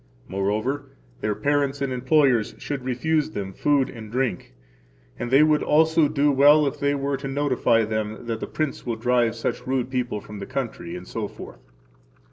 Moreover, their parents and employers should refuse them food and drink, and [they would also do well if they were to] notify them that the prince will drive such rude people from the country, etc.